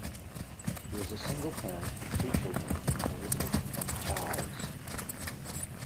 He is a single parent of two children, Elizabeth and Charles.